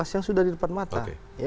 yang sudah di depan mata